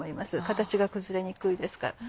形が崩れにくいですから。